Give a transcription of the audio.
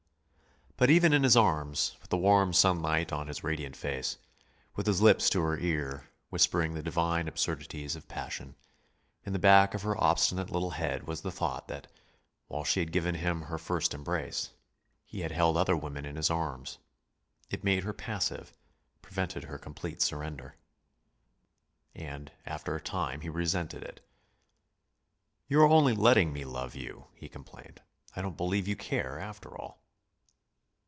But even in his arms, with the warm sunlight on his radiant face, with his lips to her ear, whispering the divine absurdities of passion, in the back of her obstinate little head was the thought that, while she had given him her first embrace, he had held other women in his arms. It made her passive, prevented her complete surrender. And after a time he resented it. "You are only letting me love you," he complained. "I don't believe you care, after all."